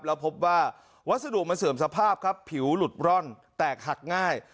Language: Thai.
แล้วพบว่าวัสดุมันเสื่อมสภาพครับผิวหลุดร่อนแตกหักง่าย